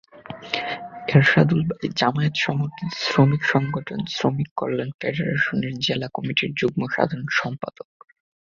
এরশাদুল বারী জামায়াত-সমর্থিত শ্রমিক সংগঠন শ্রমিক কল্যাণ ফেডারেশন জেলা কমিটির যুগ্ম সাধারণ সম্পাদক।